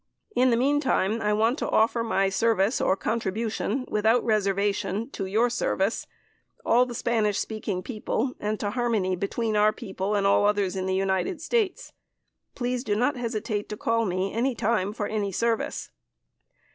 In the meantime I want to offer my service or contribution, without reservation, to your service, all the Spanish speaking people and to harmony between our people and all others in the United States. Please do not hesitate to call me anytime for any service.